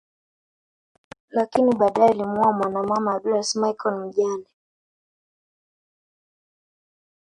Lakini badae alimuoa mwanamama Graca Michael mjane